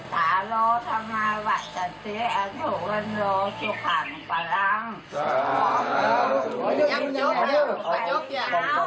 ที่ได้จับพวกเธอว่า